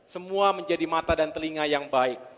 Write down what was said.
semua menjadi mata dan telinga yang baik